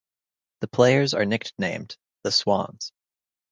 The players are nicknamed "the swans".